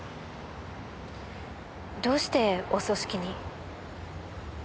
どうしてお葬式に？